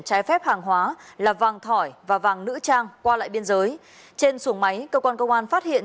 trái phép hàng hóa là vàng thỏi và vàng nữ trang qua lại biên giới trên xuồng máy cơ quan công an phát hiện